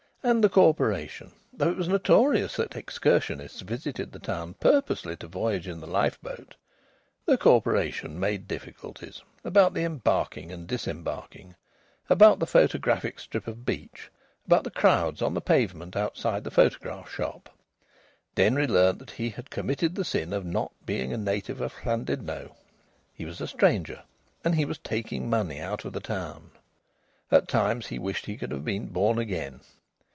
And the Corporation, though it was notorious that excursionists visited the town purposely to voyage in the lifeboat, the Corporation made difficulties about the embarking and disembarking, about the photographic strip of beach, about the crowds on the pavement outside the photograph shop. Denry learnt that he had committed the sin of not being a native of Llandudno. He was a stranger, and he was taking money out of the town. At times he wished he could have been born again.